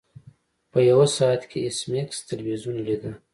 په یو ساعت کې ایس میکس تلویزیون لیده